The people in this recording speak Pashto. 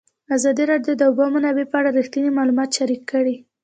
ازادي راډیو د د اوبو منابع په اړه رښتیني معلومات شریک کړي.